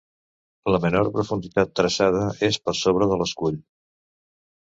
La menor profunditat traçada és per sobre de l'escull.